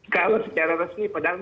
kalau secara resmi pak daniel